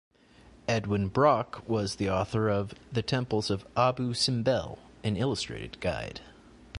Edwin Brock was the author of The Temples of Abu Simbel: An Illustrated Guide.